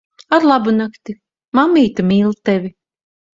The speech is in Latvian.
Arlabunakti. Mammīte mīl tevi.